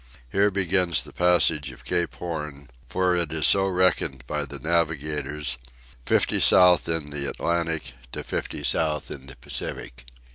Here begins the passage of Cape Horn, for so it is reckoned by the navigators—fifty south in the Atlantic to fifty south in the Pacific.